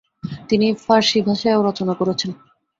তিনি ফারসি ভাষায়ও রচনা করেছেন।